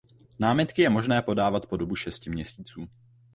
Námitky je možné podávat po dobu šesti měsíců.